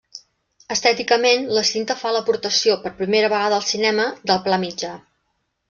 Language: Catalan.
Estèticament, la cinta fa l'aportació, per primera vegada al cinema, del pla mitjà.